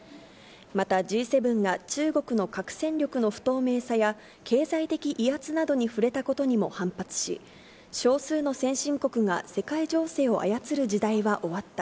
またＧ７が中国の核戦力の不透明さや、経済的威圧などに触れたことにも反発し、少数の先進国が世界情勢を操る時代は終わった。